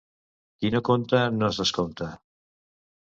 Qui no conta, no es descompta.